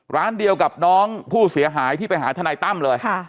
ร้านเดียวกับน้องผู้เสียหายที่ไปหาทนายตั้มเลย